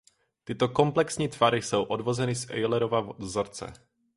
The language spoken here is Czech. Tyto komplexní tvary jsou odvozeny z Eulerova vzorce.